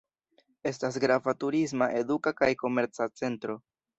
Estas grava turisma, eduka kaj komerca centro.